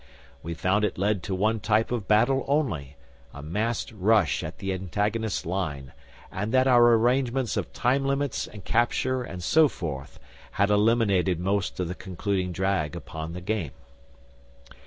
We found it led to one type of battle only, a massed rush at the antagonist's line, and that our arrangements of time limits and capture and so forth had eliminated most of the concluding drag upon the game.